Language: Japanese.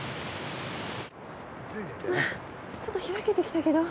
ちょっと開けてきたけど。